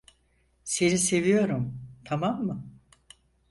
Seni seviyorum, tamam mı?